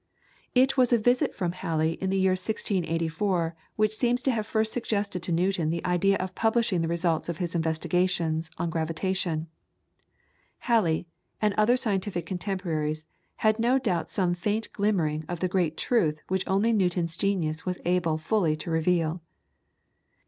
It was a visit from Halley in the year 1684 which seems to have first suggested to Newton the idea of publishing the results of his investigations on gravitation. Halley, and other scientific contemporaries, had no doubt some faint glimmering of the great truth which only Newton's genius was able fully to reveal.